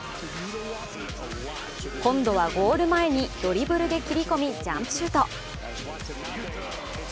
今度はゴール前にドリブルで切り込みジャンプシュート。